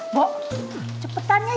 mbak cepetan ya